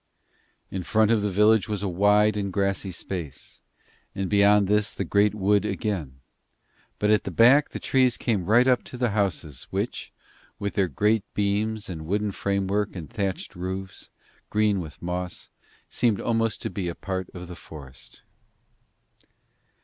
In front of the village was a wide and grassy space, and beyond this the great wood again, but at the back the trees came right up to the houses, which, with their great beams and wooden framework and thatched roofs, green with moss, seemed almost to be a part of the forest.